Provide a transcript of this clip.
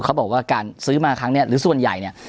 เขาบอกว่าการซื้อมาครั้งนี้หรือส่วนใหญ่เนี่ย